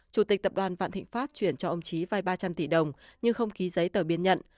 chủ tịch tập đoàn vạn thịnh pháp chuyển cho ông trí vai ba trăm linh tỷ đồng nhưng không ký giấy tờ biên nhận